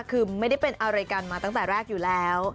คือไม่ได้เป็นอะไรกันมาตั้งแต่แรกอยู่แล้ว